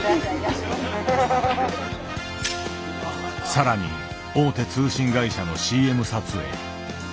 更に大手通信会社のＣＭ撮影。